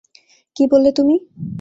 কি বললে তুমি?